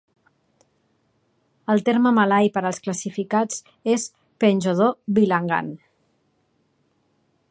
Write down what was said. El terme malai per als classificats és "penjodoh bilangan".